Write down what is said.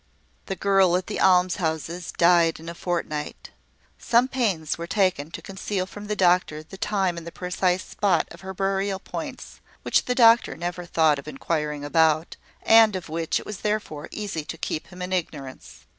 The girl at the almshouses died in a fortnight. Some pains were taken to conceal from the doctor the time and the precise spot of her burial points which the doctor never thought of inquiring about, and of which it was therefore easy to keep him in ignorance.